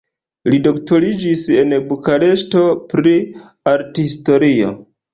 Li doktoriĝis en Bukareŝto pri arthistorio.